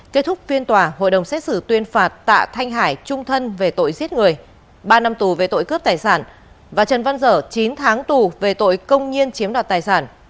kết thúc phiên tòa hội đồng xét xử tuyên phạt tạ thanh hải trung thân về tội giết người ba năm tù về tội cướp tài sản và trần văn dở chín tháng tù về tội công nhiên chiếm đoạt tài sản